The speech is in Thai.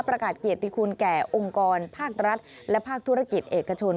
ประกาศเกียรติคุณแก่องค์กรภาครัฐและภาคธุรกิจเอกชน